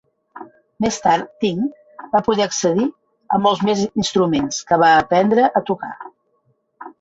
Més tard, Tyng va poder accedir a molts més instruments, que va aprendre a tocar.